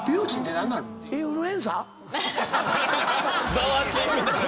「ざわちん」みたいな。